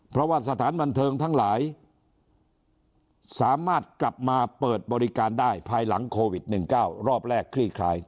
เพราะว่าสถานบันเทิงทั้งหลายสามารถกลับมาเปิดบริการได้ภายหลังโควิด๑๙รอบแรกคลี่คลาย